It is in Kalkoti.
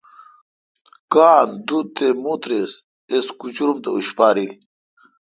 کان، دوت تے متریس اس کچور ام تہ اشپاریل۔